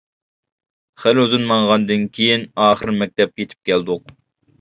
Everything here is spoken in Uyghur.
خېلى ئۇزۇن ماڭغاندىن كېيىن ئاخىرى مەكتەپكە يېتىپ كەلدۇق.